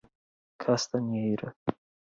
Castanheira